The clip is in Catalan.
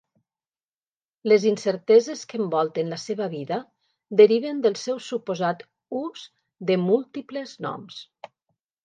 Les incerteses que envolten la seva vida deriven del seu suposat ús de múltiples noms.